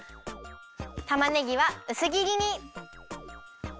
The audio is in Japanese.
たまねぎはうすぎりに。